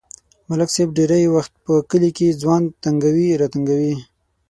ملک صاحب ډېری وخت په کلي کې ځوان تنگوي راتنگوي.